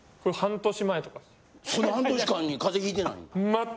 その半年間に風邪ひいてないの？